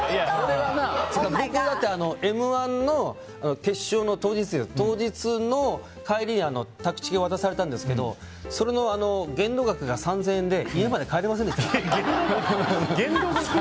僕、「Ｍ‐１」の決勝の当日の帰りに、タクチケを渡されたんですけどその限度額が３０００円で家まで帰れませんでした。